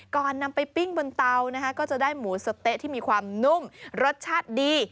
ก่อนนำไปปิ้งบนเตานะคะก็จะได้หมูสะเต๊ะที่มีความนุ่มรสชาติดี